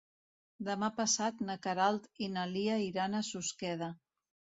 Demà passat na Queralt i na Lia iran a Susqueda.